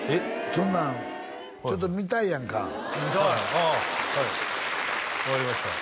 そんなんちょっと見たいやんか見たい分かりました